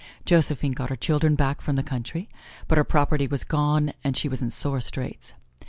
Josephine got her children back from the country, but her property was gone and she was in sore straits.